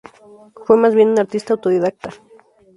Fue más bien un artista autodidacta.